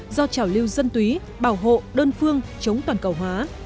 do trào lưu dân túy bảo hộ đơn phương chống toàn cầu hóa